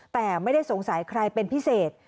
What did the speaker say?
แต่ไม่ได้สงสัยใครเป็นพิเศษ